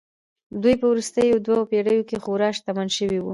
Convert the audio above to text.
دوی په وروستیو دوو پېړیو کې خورا شتمن شوي وو